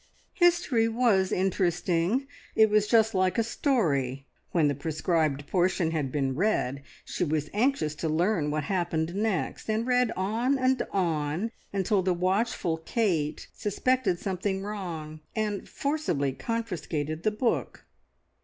History was interesting it was just like a story! When the prescribed portion had been read, she was anxious to learn what happened next, and read on and on until the watchful Kate suspected something wrong, and forcibly confiscated the book.